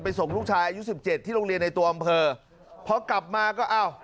ส่งลูกชายอายุสิบเจ็ดที่โรงเรียนในตัวอำเภอพอกลับมาก็อ้าว